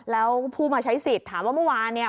แล้วผู้มาใช้สิทธิ์ถามว่าเมื่อวานเนี่ย